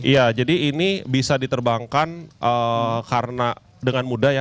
ya jadi ini bisa diterbangkan karena dengan mudah ya